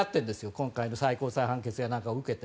今回の最高裁判決などを受けて。